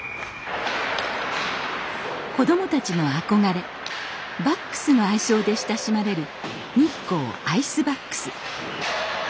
子どもたちの憧れ「バックス」の愛称で親しまれる日光アイスバックス。